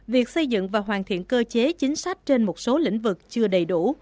việc xây dựng và hoàn thiện cơ chế chính sách trên một số lĩnh vực chưa đầy đủ